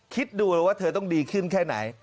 คิดดูเลยว่าเธอต้องดีขึ้นแค่ไหน